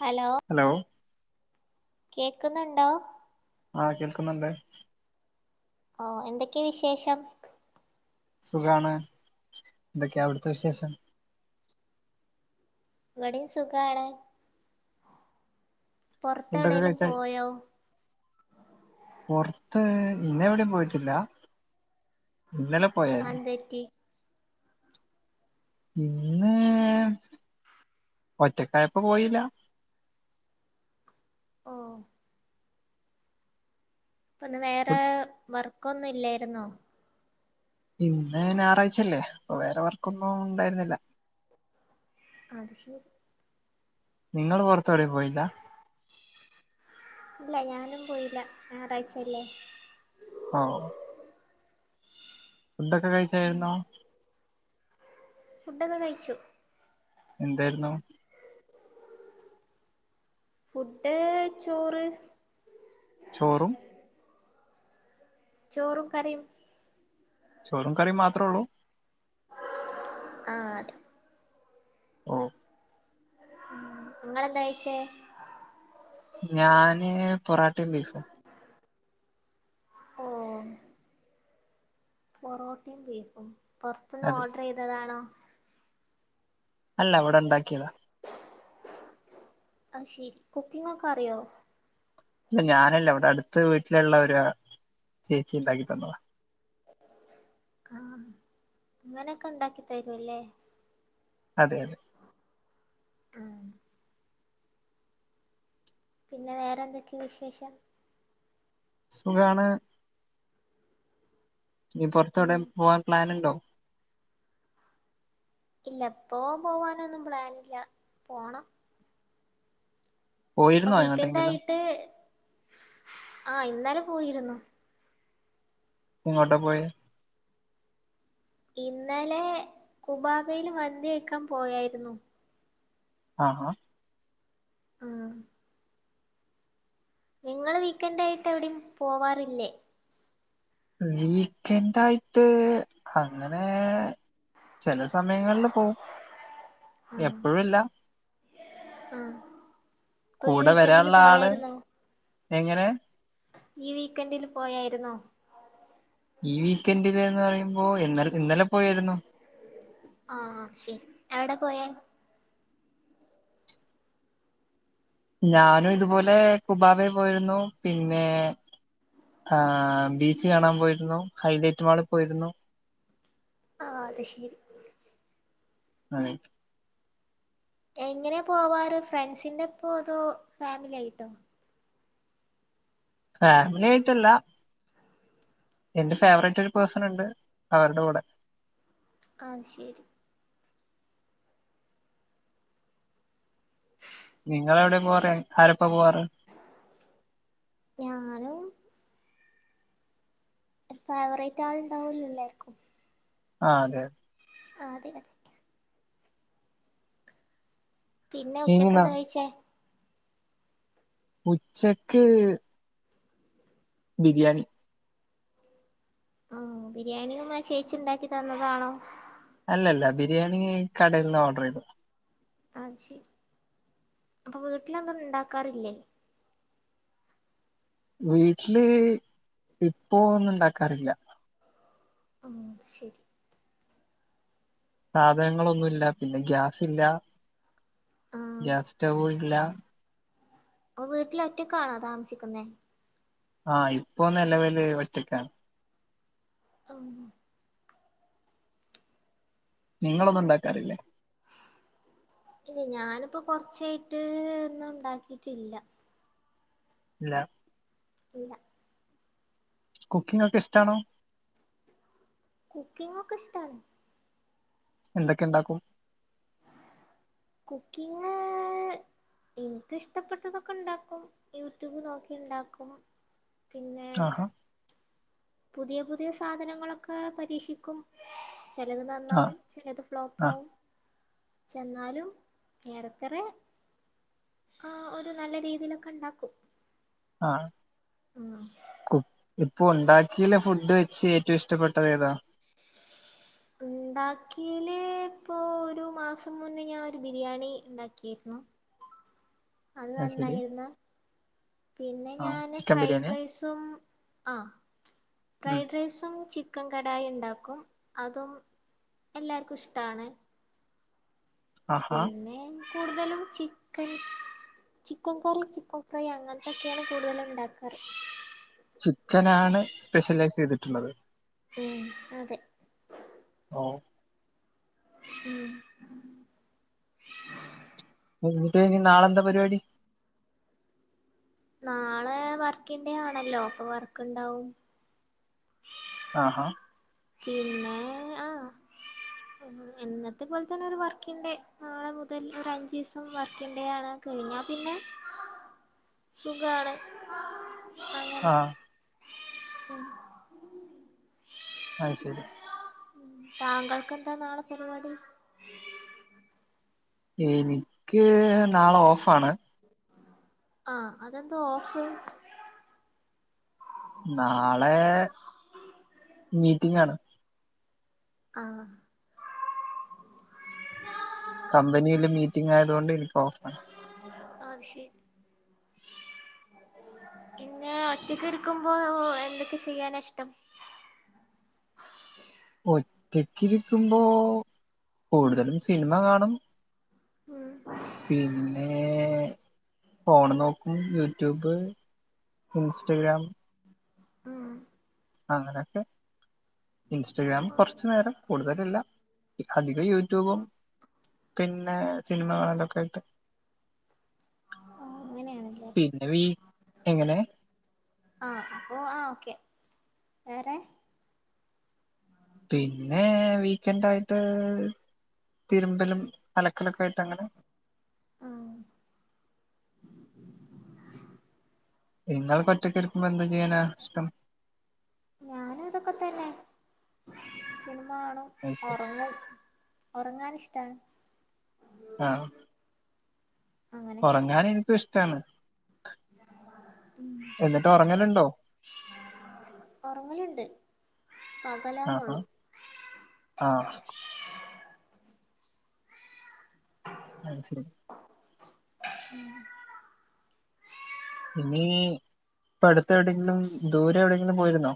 Hello hello കേക്കുന്നുണ്ടോ ആ കേൾക്കുന്നുണ്ട് ഓ എന്തൊക്കെയ വിശേഷം സുഖാണ് എന്തൊക്കെയ അവിടുത്തെ വിശേഷം ഇവിടെയും സുഖാണ് പുറത്തെ ഫുഡൊക്കെ എവിടെലും കഴിച്ചാ പോയോ പൊർത്ത് ഇന്നവിടിം പോയിട്ടില്ല ഇന്നലെ പോയായിരുന്നു അന്തെറ്റി ഇന്ന് ഒറ്റക്കായപ്പ പോയീല ഒ ഓ പ്പ ഇന്ന് വേറെ ഫു- വർക്കൊന്നു ഇല്ലായിരുന്നോ ഇന്ന് ഞാറാഴ്ചയല്ലേ അപ്പൊ വേറെ വർക്കൊന്നും ഉണ്ടായിരുന്നില്ല. അത് ശരി. നിങ്ങള് പൊറത്തവിടെം പോയില്ല ഇല്ല ഞാനും പോയില്ല ഞാറാഴ്ചല്ലേ ഓ ഫുഡ്ഡക്കെ കഴിച്ചായിരുന്നോ ഫുഡ്ഡക്കെ കയിച്ചു. എന്തേര്ന്നു ഫുഡ്ഡ് ചോറ് ചോറും ചോറും കറിയും ചോറും കറി മാത്രം ഉള്ളു. ആതെ ഓ മ് ഇങ്ങെളെന്താ കഴിച്ചേ ഞാന് പൊറാട്ടിംബീഫ് ഒ ഓ പൊറോട്ടിം ബീഫും പൊറത്ത്ന്ന് അതെ ഓഡ്രയ്തതാണോ അല്ല ഇവടെ ണ്ടാക്കിയതാ ആഅ്ശരി, കുക്കിംഗ് ഒക്കെ അറിയോ? ല്ല ഞാനല്ല, ഇവിടെ അടുത്ത വീട്ടിലുള്ള ഒരു ചേച്ചിണ്ടാക്കി തന്നതാ ആഹ് അങ്ങനൊക്കെണ്ടാക്കി തരുല്ലേ അതെ അതെ ആഹ് പിന്നെ വേറെ എന്തൊക്കെ വിശേഷം. സുഖാണ്. ഇനി പുറത്തവിടെ ഉം പോവാൻ പ്ലാൻ ഉണ്ടോ? ഇല്ല ഇപ്പോ പോവാൻ ഒന്നും പ്ലാനില്ല പോണം. അപ്പൊ പോയിരുന്നോ വീക്കെൻഡ് എങ്ങോട്ടെങ്കിലും ആയിട്ട് ആഹ ഇന്നാലെ പോയിരുന്നു. ഇങ്ങോട്ടാ പോയോ? ഇന്നലെ കുബാബൽ മന്തി കഴിക്കാൻ പോയായിരുന്നു. ആഹ് ആഹ് ഉം നിങ്ങൾ വീക്കെൻഡ് ആയിട്ട് എവിടിം പോവാറില്ലേ? വീക്കെൻഡ് ആയിട്ട് അങ്ങനെ ചില സമയങ്ങളിൽ പോവും. ആ എപ്പോഴില്ല ആ ഇപ്പൊ ഈ കൂടെ വീക്കെൻഡിൽ വരാനുള്ള ആള് പോയായിന്നോ? എങ്ങനെ ഈ വീക്കെൻഡിൽ പോയായിരുന്നോ? ഈ വീക്കെൻഡ് എന്ന് പറയുമ്പോ ഇന്നലെ പോയായിരുന്നു. ആഹ ശരി എവിടെ പോയാ? ഞാനും ഇതുപോലെ കുബാബേ പോയിരുന്നു പിന്നെ ആ ബീച്ച് കാണാൻ പോയിരുന്നു. ഹൈലൈറ്റ് മാള് പോയിരുന്നു. ആ അത് ശരി അതെ എങ്ങനെ പോവാറ് ഫ്രണ്ട്സിന്റെ ഓപ്പോ അതോ ഫാമിലി ആയിട്ടോ? ഫാമിലി ആയിട്ട് അല്ല. എന്റെ ഫേവററ്റ് ഒരു പേഴ്സൺ ഉണ്ട് അവരുടെ കൂടെ. ആത് ശരി നിങ്ങൾ എവിടെ പോവാറ് ആരോപ്പ പോവാറ്. ഞാനും ഫേവറേറ്റാൾ ഇണ്ടാവല്ലോ എല്ലാര്ക്കും ആ അതെ ആ അതെ അതെ പിന്നെ ഇനി ഉച്ചക്ക് ന- എന്താ കഴിച്ചേ? ഉച്ചക്ക് ബിരിയാണി ആ ബിരിയാണിയും ആ ചേച്ചി ഉണ്ടാക്കി തന്നതാണോ? അല്ലല്ല ബിരിയാണി കടയിൽ നിന്ന് ഓർഡർ ചെയ്തു. ആത് ശരി അപ്പൊ വീട്ടിലോനും ഉണ്ടാക്കാറില്ലേ? വീട്ടില് ഇപ്പോ ഒന്നും ഉണ്ടാക്കാറില്ല. ആഹ് അത്ശരി. സാധനങ്ങളൊന്നുമില്ല പിന്നെ ഗ്യാസ് ഇല്ല ആഹ് ഗ്യാസ് സ്റ്റവ് ഇല്ല. ഓ വീട്ടിൽ ഒറ്റക്കാണോ താമസിക്കുന്നേ. ആഹ ഇപ്പൊ നിലവിൽ ഒറ്റക്കാണ്. ആഹ് ഉം നിങ്ങളൊന്നും ഉണ്ടാക്കാറില്ലേ? ഇല്ല ഞാനിപ്പോ കൊറച്ചായിട്ട് ഒന്നും ഉണ്ടാക്കിട്ടില്ല. ഇല്ല ഇല്ല കുക്കിംങ്‌ ഒക്കെ ഇഷ്ടാണോ കുക്കിംങ് ഒക്കെ ഇഷ്റ്റാണ് എന്തെക്കെണ്ടാക്കും കുക്കിങ്‌ ഇൻക്ക് ഇഷ്ടപ്പെട്ടതൊക്കെണ്ടാക്കും യൂട്യൂബ് നോക്കിണ്ടാക്കും പിന്നെ ആഹാ പുതിയ പുതിയ സാധനങ്ങളൊക്കെ പരീക്ഷിക്കും ചെലത് ആ നന്നാവും ചിലത് ആ ഫ്ലോപ്പാവും ചെന്നാലും ഏറക്കുറെ ആ ഒരു നല്ല രീതിലൊക്കെണ്ടാക്കും ആഹ കുക് ഇപ് ഇപ്പൊ ഉണ്ടാക്കിലെ ഫുഡ്ഡ് വെച്ച് ഏറ്റവും ഇഷ്ടപ്പെട്ടത് ഏതാ ഉണ്ടാക്കീല് പ്പോ ഒരു മാസം മുന്നെ ഞാൻ ഒരു ബിരിയാണി ഇണ്ടാക്കിര്ന്നു അത് നന്നായിര്ന്നോ പിന്നെ ആ ഞാന് ചിക്കൻ ബിരിയാണി ഫ്രൈഡ്റൈസും ആ ഉം ഫ്രൈഡ്റൈസും ചി ക്കൻ കടായി ഇണ്ടാക്കും അതും എല്ലാർക്കും ഇഷ്ടാണ് ആഹാ പിന്നെ കൂട്തലും ചിക്കൻ ചിക്കൻകറി ചിക്കൻഫ്രൈ അങ്ങൻത്തൊക്കേണ് കൂടുതലും ണ്ടാക്കാറ് ചിക്കനാണ് സ്പെഷ്യലൈസെയ്തിട്ട്ള്ളത് ഉം അതെ ഓ ഉം എന്നിട്ട് ഇനി നാളെന്തപരിവാടി നാളെ വർക്കിങ്ഡേ ആണല്ലോ അപ്പൊ വർക്ണ്ടാവും. ആഹാ പിന്നെ ആഹ് എന്നത്തെ പോൽതന്നെ ഒരു വർക്കിങ്ഡേ നാളെ മുതൽ ഒരു അഞ്ചു ദിവസം വർക്കിങ് ഡേ ആണ് കഴിഞ്ഞ പിന്നെ സുഖാണ് അങ്ങനെ ആഹ് ഉം അത് ശരി താങ്കൾക്കെന്താ നാളെ പരിപാടി എനിക്ക് നാളെ ഓഫാണ് ആഹ് അതെന്താ ഓഫ്‌ നാളെ മീറ്റിങ്ങാണ് ആഹ് കമ്പനിയില് മീറ്റിംങ്‌ ആയതുകൊണ്ട് എനിക്ക് ഓഫാണ് ആഹ് ശരി പിന്നെ ഒറ്റക്ക് ഇരിക്കുമ്പോ എന്തൊക്കെ ചെയ്യാന ഇഷ്ടം ഒറ്റക്കിരിക്കുമ്പോ കൂടുതലും സിനിമ കാണും ഉം പിന്നെ ഫോൺ നോക്കും യൂട്യൂബ് ഇൻസ്റ്റഗ്രാം ഉം അങ്ങനെയൊക്കെ ഇൻസ്റ്റഗ്രാം ഉം കുറച്ച് നേരം കൂടുതലല്ലാ അധികം യൂട്യൂബും പിന്നെ സിനിമ കാണലൊക്കെ ആയിട്ട് ഓ അങ്ങനെയാണല്ലേ പിന്നെ വി എങ്ങനെ ആഹ് ഓ ആ ഓക്കെ വേറെ പിന്നെ വീക്കെൻഡ് ആയിട്ട് തിരുമ്പലും അലക്കലൊക്കെ ആയിട്ട് അങ്ങനെ ആഹ് നിങ്ങൾ ഒറ്റക്കിരിക്കുമ്പോ എന്ത് ചെയ്യാനാ ഇഷ്ടം? ഞാനും അതൊക്കെ തന്നെ സിനിമ കാണും ഉറങ്ങും. ഉറങ്ങാനിഷ്ടാണ്. ആഹ് അങ്ങനൊക്കെ ഉറങ്ങാന് എനിക്കും ഇഷ്ടാണ്. ഉം എന്നിട്ട് ഉറങ്ങലുണ്ടോ ഉറങ്ങലുണ്ട്. ആഹ് ആ ആഹ് അത് ശരി ഉം ഇനി ഇപ്പ അടുത്ത് എവിടെയെങ്കിലും ദൂരെ എവിടെയെങ്കിലും പോയിരുന്നോ?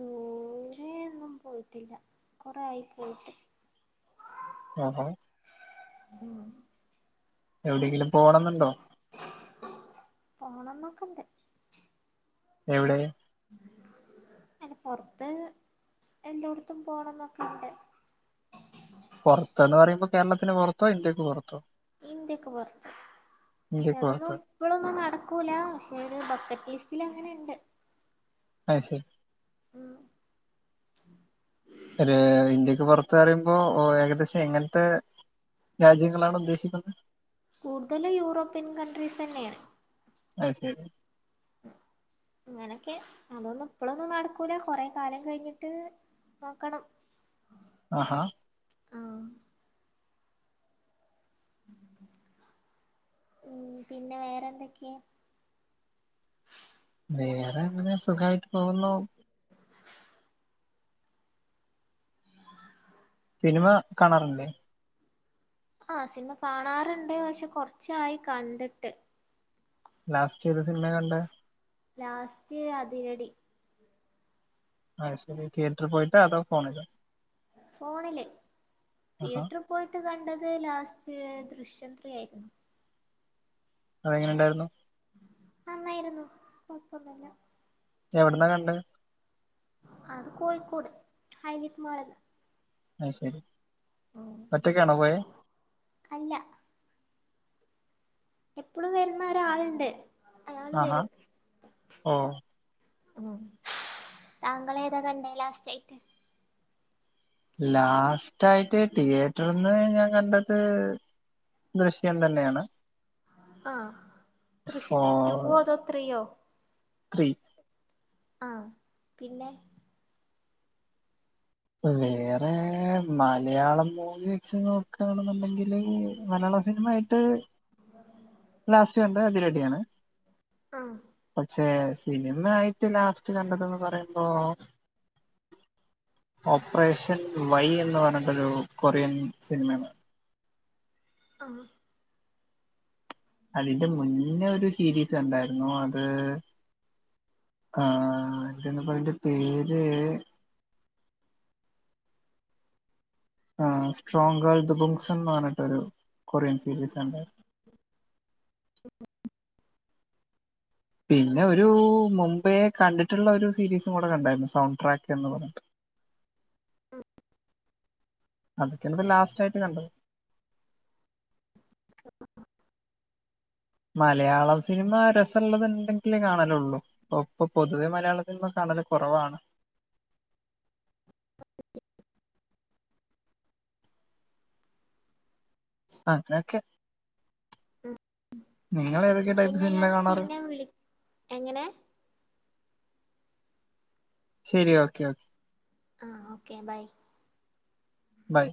ദൂരെ ഒന്നും പോയിട്ടില്ല കുറെ ആയി പോയിട്ട്. ആ ആ ഉം എവിടെയെങ്കിലും പോണം എന്നുണ്ടോ? പോണംന്നൊക്കണ്ട്. എവിടെ? അങ്ങനെ പൊറത്ത് എല്ലാടത്തും പോണംന്നൊക്കെ ഉണ്ട്. പുറത്ത്ന്ന് പറയുമ്പോ കേരളത്തിന് പുറത്തോ ഇന്ത്യക്ക് പുറത്തോ? ഇന്ത്യാക്ക് പുറത്ത്. പക്ഷെ ഇന്ത്യക്ക് പുറത്ത് അതൊന്നും ഇപ്പോളൊന്നും നടക്കൂല. പക്ഷെ ഒരു ബക്കറ്റ് ലിസ്റ്റില അങ്ങനെ ഉണ്ട്. അത് ശരി ഉം ഒരു ഇന്ത്യക്ക് പുറത്ത പറയുമ്പോ ഏകദേശം എങ്ങനത്തെ രാജ്യങ്ങളാണ് ഉദ്ദേശിക്കുന്നത്? കൂടുതല് യൂറോപ്യൻ കണ്ടട്രീസ് തന്നെണ്. അത് ശരി. അങ്ങനൊക്കെ അതൊന്നും ഇപ്പളോന്നും നടക്കൂല കൊറെ കാലം കഴിഞ്ഞിട്ട്. നോക്കണം ആഹാ ആഹ് ഉം പിന്നെ വേറെന്തൊക്കെ വേറെ ന്താ അങ്ങനെ സുഖായിട്ട് പോകുന്നു [inaudible] [inaudible] സിനിമ കാണാറില്ലേ ആ സിനിമ കാണാറുണ്ട് പക്ഷെ കൊറച്ചായി കണ്ടിട്ട് ലാസ്റ്റ് ഏത് സിനിമ കണ്ട് ലാസ്റ്റ് അതിരടി. അത് ശരി തിയേറ്റർ പോയിട്ട് അതോ ഫോൺലോ ഫോണില് ആഹാ തീയറ്റർ പോയിട്ട് കണ്ടത് ലാസ്റ്റ് ദൃശ്യം ത്രീ യായിരുന്നു അതെങ്ങനെ ഉണ്ടായിരുന്നു നന്നായിരുന്നു കോഴപ്പൊന്നുല്ല എവിടന്നാ കണ്ടെ അത് കോഴിക്കോട് ഹൈലിറ്റ് മാൾ നിന്ന് അത് ശരി ഒറ്റൊക്കാണോ പോയെ അല്ല എപ്പളും വരുന്ന ഒരാളുണ്ട് അയാള് ആഹാ വരും ഓ ഉം താങ്കള് ഏതാ കണ്ടേ ലാസ്റ്റ് ആയിട്ട് ലാസ്റ്റ ആയിട്ട് തിയേറ്റർന്ന് ഞാൻ കണ്ടത് ദൃശ്യം തന്നെയാണ് ആ ഫോ ദൃശ്യം ടുവോ അതോ ത്രീയോ ത്രീ ആഹ് പിന്നെ വേറെ മലയാളം മൂവി വെച്ച് നോക്കയാണെന്നുണ്ടെങ്കിൽ മലയാളം സിനിമ ആയിട്ട് ലാസ്റ്റ് കണ്ടത് അതിരടി ആണ് ആഹ് പക്ഷേ സിനിമ ആയിട്ട് ലാസ്റ്റ് കണ്ടതെന്ന് പറയുമ്പോ ഓപ്പറേഷൻ വൈ എന്ന് പറഞ്ഞട്ടൊരു കൊറിയൻ സിനിമയുണ്ട് ആ അതിന്റെ മുന്നേ ഒരു സീരീസ് കണ്ടായിരുന്നു അത് ആ ഇതന്ന് പറയുമ്പോ അതിന്റെ പേര് ആ strong girl the [unintelligible] Korean series ഉണ്ട് [inaudible] പിന്നെ ഒരു മുംബെ കണ്ടിട്ടുള്ള ഒരു സീരീസും കൂടെ കണ്ടായിരുന്നു സൗണ്ട് ട്രാക്ക് റ്റ് പറഞ്ഞിട്ട് [inaudible] അതൊക്കാണ് ഇപ്പ ലാസ്റ്റ് ആയിട്ട് കണ്ടത് മലയാളം സിനിമ അരസള്ളത്ണ്ടെങ്കിലേ കാണലുള്ളു ഒപ്പൊ പൊതുവെ മലയാളത്തിന് കാണല് കുറവാണ് അ അങ്ങനൊക്കെ നിങ്ങള് ഏത് പിന്നെ ഞാൻ പിന്നെ വിളി എങ്ങനെ ശരി ഓക്കെ ഓക്കെ ആഹ് ഓക്കേ ബൈ ബൈ